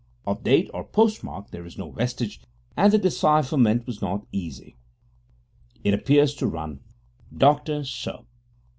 Of date or postmark there is no vestige, and the decipherment was not easy. It appears to run: Dr Sr.